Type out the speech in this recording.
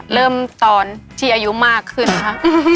เริ่มตอนที่อายุมากขึ้นค่ะ